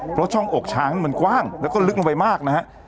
เพราะช่องอกช้างมันกว้างแล้วก็ลึกลงไปมากนะฮะ